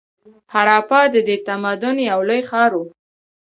هراپا د دې تمدن یو لوی ښار و.